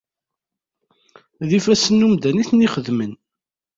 D ifassen n umdan i ten-ixedmen.